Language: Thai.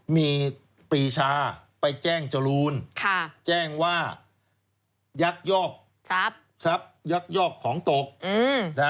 มีปรีชาไปแจ้งจรูนแจ้งว่ายักษ์ยอกของตก